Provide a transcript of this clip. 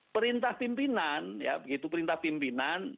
perintah pimpinan ya begitu perintah pimpinan